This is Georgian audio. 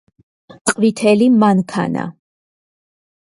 ყვითელი მანქანა